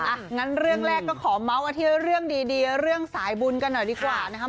อ่ะงั้นเรื่องแรกก็ขอเมาส์กันที่เรื่องดีเรื่องสายบุญกันหน่อยดีกว่านะครับ